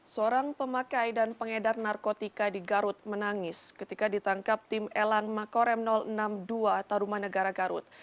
seorang pemakai dan pengedar narkotika di garut menangis ketika ditangkap tim elang makorem enam puluh dua taruman negara garut